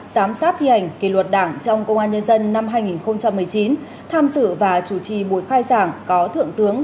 giám sát thi hành kỳ luật đảng trong công an nhân dân năm hai nghìn một mươi chín tham dự và chủ trì buổi khai giảng có thượng tướng